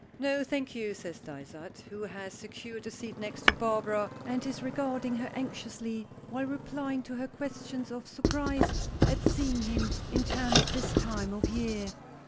"No, thank you," says Dysart, who has secured a seat next to Barbara, and is regarding her anxiously, while replying to her questions of surprise at seeing him in town at this time of year.